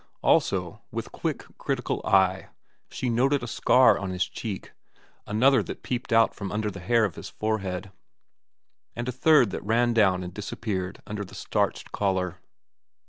Also, with quick, critical eye, she noted a scar on his cheek, another that peeped out from under the hair of the forehead, and a third that ran down and disappeared under the starched collar.